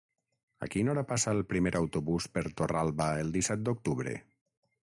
A quina hora passa el primer autobús per Torralba el disset d'octubre?